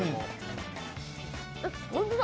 本当だ！